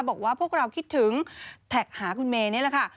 บอกว่าพวกเราคิดถึงแท็กหาคุณเมย์นี่แหละค่ะ